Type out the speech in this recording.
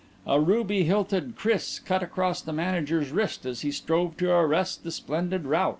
A ruby hilted kris cut across the manager's wrist as he strove to arrest the splendid rout.